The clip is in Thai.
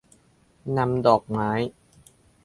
นำดอกไม้